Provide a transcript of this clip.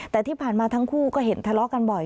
แต่ที่ผ่านมาทั้งคู่ก็เห็นทะเลาะกันบ่อย